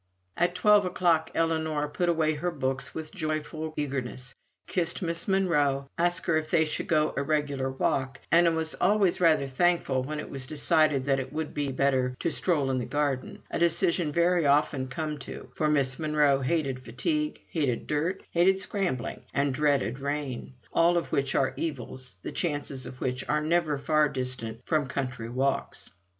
At twelve o'clock, Ellinor put away her books with joyful eagerness, kissed Miss Monro, asked her if they should go a regular walk, and was always rather thankful when it was decided that it would be better to stroll in the garden a decision very often come to, for Miss Monro hated fatigue, hated dirt, hated scrambling, and dreaded rain; all of which are evils, the chances of which are never far distant from country walks.